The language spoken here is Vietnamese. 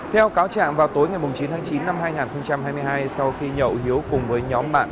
theo cáo trạng vào tối ngày chín tháng chín năm hai nghìn hai mươi hai sau khi nhậu hiếu cùng với nhóm bạn